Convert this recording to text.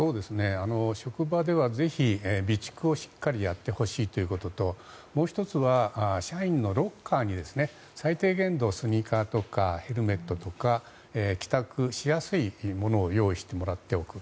職場ではぜひ、備蓄をしっかりやってほしいということともう１つは社員のロッカーに最低限度スニーカーとかヘルメットとか帰宅しやすいものを用意してもらっておく。